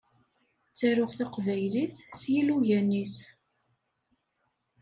Ttaruɣ taqbaylit s yilugan-is.